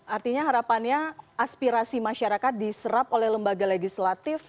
artinya harapannya aspirasi masyarakat diserap oleh lembaga legislatif